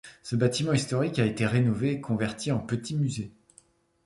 Ce bâtiment historique a été rénové et converti en petit musée.